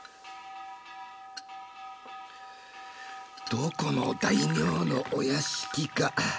どこの大名のお屋敷か。